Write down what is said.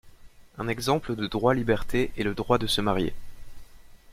Un exemple de droit-liberté est le droit de se marier.